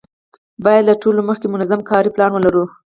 باید له ټولو مخکې منظم کاري پلان ولرو.